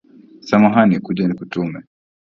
Samahani kuja nikutume